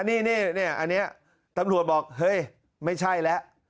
นี่อันนี้ตำรวจบอกเฮ้ยไม่ใช่แล้ว